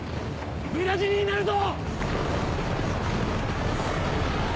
無駄死にになるぞ！